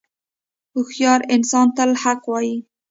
• هوښیار انسان تل حق وایی.